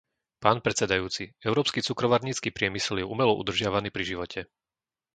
Pán predsedajúci, európsky cukrovarnícky priemysel je umelo udržiavaný pri živote.